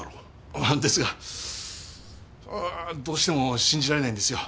ああですがどうしても信じられないんですよ。